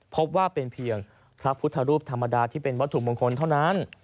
พบว่าเป็นเพียงพระพุทธรูปธรรมดาที่เป็นวัตถุมงคลเท่านั้น